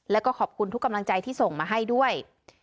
แล้วก็ขอบคุณทุกกำลังใจที่ส่งมาให้ด้วย